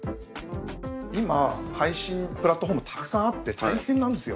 今配信プラットホームたくさんあって大変なんですよ。